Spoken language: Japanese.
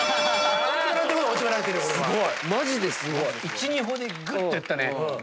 １２歩でぐっと寄ったね。